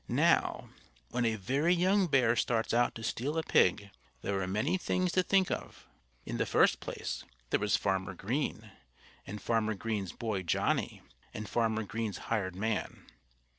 Now, when a very young bear starts out to steal a pig there are many things to think of. In the first place, there was Farmer Green, and Farmer Green's boy Johnnie, and Farmer Green's hired man.